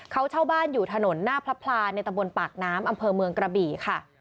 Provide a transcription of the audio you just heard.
เขาเช่าบ้านอยู่ถนนหน้าพระพลาในตะบนปากน้ำอำเภอเมืองกระบี่ค่ะ